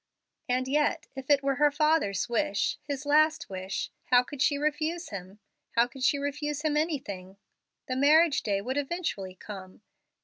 And yet if it were her father's wish his last wish how could she refuse him how could she refuse him anything? The marriage day would eventually come.